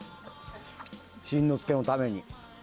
新之助のために。